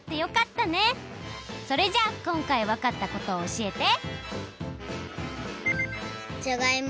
それじゃこんかいわかったことをおしえて！